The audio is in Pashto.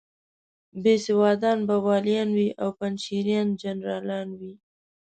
بېسوادان به والیان وي او پنجشیریان جنرالان وي.